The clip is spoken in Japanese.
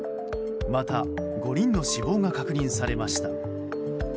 また、５人の死亡が確認されました。